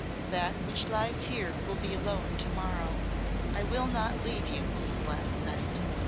"That which lies here will be alone to morrow. I will not leave you this last night.